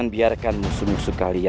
saya akan menangkapnya